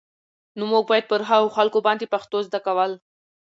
نو موږ بايد پر هغو خلکو باندې پښتو زده کول